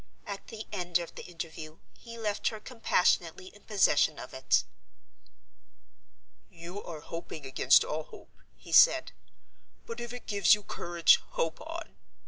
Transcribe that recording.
At the end of the interview he left her compassionately in possession of it. "You are hoping against all hope," he said; "but if it gives you courage, hope on.